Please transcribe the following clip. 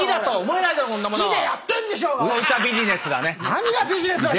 何がビジネスだ